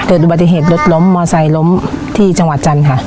เกิดปฏิเหตุรถล้อมมอไซล์ล้อมที่จังหวัดจันทร์ค่ะ